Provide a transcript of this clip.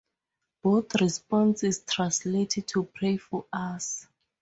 Both responses translate to Pray for us.